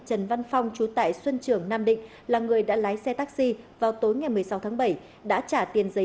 trần văn phong chú tại xuân trường nam định là người đã lái xe taxi vào tối ngày một mươi sáu tháng bảy đã trả tiền giấy